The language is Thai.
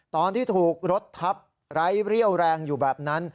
ตอนที่ถูกรถทับไร้เรี่ยวแรงอยู่แบบนั้น